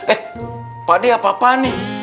eh pak d apa apaan nih